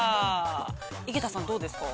井桁さん、どうですか。